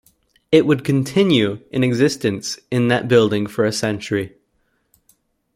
It would continue in existence in that building for a century.